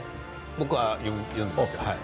僕は読んでますよ。